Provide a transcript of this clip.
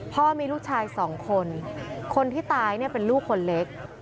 พ่อมีลูกชาย๒คนคนที่ตายเป็นลูกคนเล็ก